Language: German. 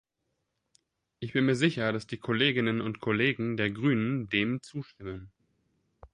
Ich bin mir sicher, dass die Kolleginnen und Kollegen der Grünen dem zustimmen.